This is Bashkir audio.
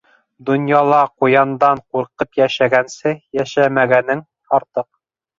Донъяла ҡуяндан ҡурҡып йәшәгәнсе, йәшәмәгәнең артыҡ.